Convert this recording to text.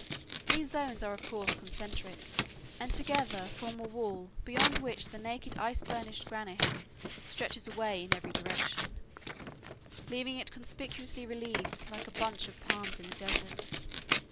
These zones are of course concentric, and together form a wall beyond which the naked ice burnished granite stretches away in every direction, leaving it conspicuously relieved, like a bunch of palms in a desert.